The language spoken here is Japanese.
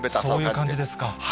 そういう感じですか。